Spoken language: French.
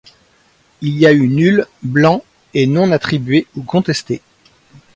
Il y a eu nuls, blancs et non attribués ou contestés.